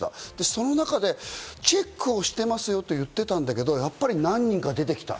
その中でチェックをしてますよと言ってたんだけど、やっぱり何人か出てきた。